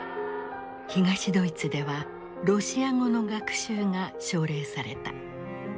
東ドイツではロシア語の学習が奨励された。